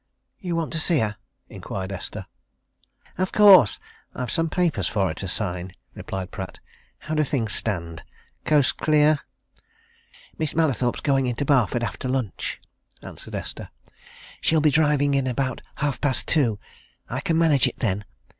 "You want to see her?" inquired Esther. "Of course! I've some papers for her to sign," replied Pratt. "How do things stand? Coast clear?" "Miss Mallathorpe's going into Barford after lunch," answered Esther. "She'll be driving in about half past two. I can manage it then.